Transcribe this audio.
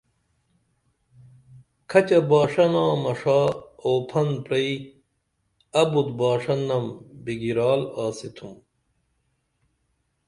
کھچہ باݜہ نامہ ݜا اوپھن پرئی ابُت باݜہ نم بِگرال آستُھم